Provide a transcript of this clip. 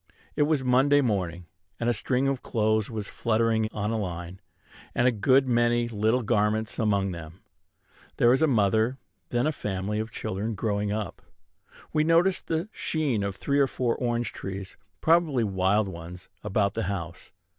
It was Monday morning; and a string of clothes was fluttering on a line, and a good many little garments among them. There is a mother, then, and a family of children growing up. We noticed the sheen of three or four orange trees, probably wild ones, about the house.